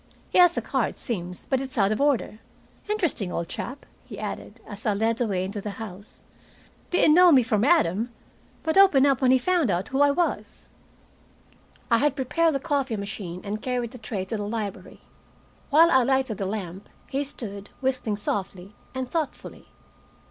He has a car, it seems, but it's out of order. Interesting old chap," he added, as I led the way into the house. "Didn't know me from Adam, but opened up when he found who I was." I had prepared the coffee machine and carried the tray to the library. While I lighted the lamp, he stood, whistling softly, and thoughtfully.